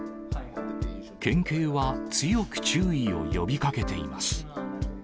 県警は強く注意を呼びかけています。